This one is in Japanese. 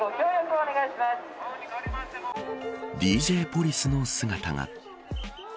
ＤＪポリスの姿が。